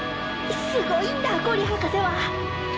すごいんだ五里博士は！